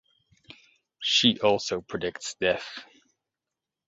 She also predicts death.